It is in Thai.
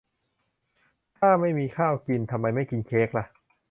ถ้าไม่มีข้าวกิน ทำไมไม่กินเค้กละ